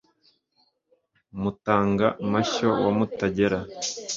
Mutanga mashyo wa Mutagera,